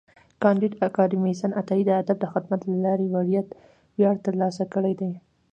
کانديد اکاډميسن عطایي د ادب د خدمت له لارې ویاړ ترلاسه کړی دی.